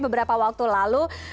beberapa waktu lalu